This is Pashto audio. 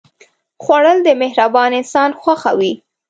خوړل د مهربان انسان خوښه وي